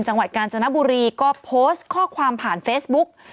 จังหวัดกาญจนบุรีก็โพสต์ข้อความผ่านเฟซบุ๊ก